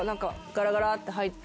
ガラガラって入って。